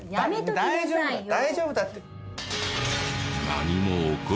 大丈夫大丈夫だって。